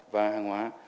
và hàng hóa